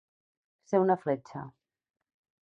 Ser una fletxa.